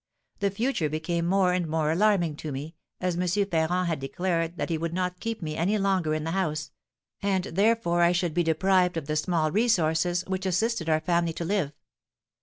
The future became more and more alarming to me, as M. Ferrand had declared that he would not keep me any longer in the house; and therefore I should be deprived of the small resources which assisted our family to live.